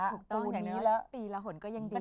ถูกต้องอย่างนี้ปีละหนก็ยังดี